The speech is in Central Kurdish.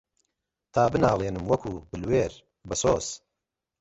تا بناڵێنم وەکوو بلوێر بەسۆز